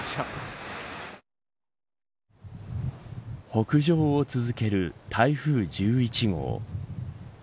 北上を続ける台風１１号。